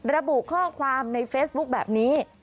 ระบุข้อความในเฟซบุ๊คแบบนี้